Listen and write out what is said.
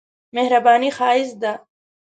مهرباني ښايست ده.